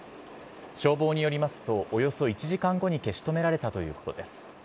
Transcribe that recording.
消防によりますと、およそ１時間後に消し止められたということです。